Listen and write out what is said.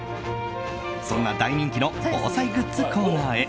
そんな大人気の防災グッズコーナーへ。